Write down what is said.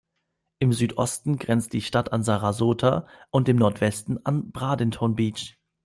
Im Südosten grenzt die Stadt an Sarasota und im Nordwesten an Bradenton Beach.